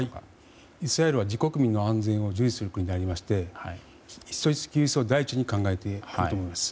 イスラエルは自国民の安全を重視する国でして人質救出を第一に考えていると思います。